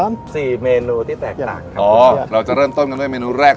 สี่เมนูที่แตกต่างครับอ๋อเราจะเริ่มต้นกันด้วยเมนูแรก